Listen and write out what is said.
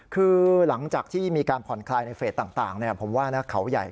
คือหลังจากที่มีการผ่อนคลายในเฟสต่างผมว่านะเขาใหญ่